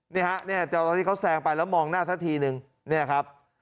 นี่ฮะเนี่ยตอนที่เขาแซงไปแล้วมองหน้าซะทีนึงเนี่ยครับ